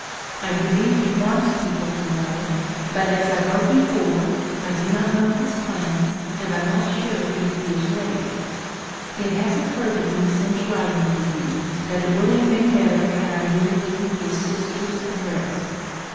I be lieve he wants people to know, but, as I wrote before, I do not know his plans, and I'm not sure if he is ready. It has occurred to me since writing to you that it would have been better had I given you his sister's address.